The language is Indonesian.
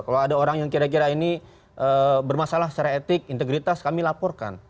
kalau ada orang yang kira kira ini bermasalah secara etik integritas kami laporkan